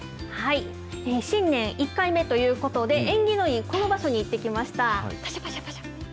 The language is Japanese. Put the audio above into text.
新年１回目ということで、縁起のいいこの場所に行ってきました。